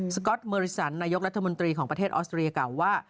ก๊อตเมอริสันนายกรัฐมนตรีของประเทศออสเตรียกล่าวว่า